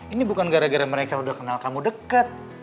ini bukan gara gara mereka udah kenal kamu deket